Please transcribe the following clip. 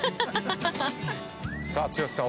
さあ剛さん